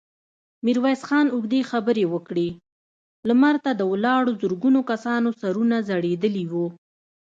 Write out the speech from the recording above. ميرويس خان اوږدې خبرې وکړې، لمر ته د ولاړو زرګونو کسانو سرونه ځړېدلي وو.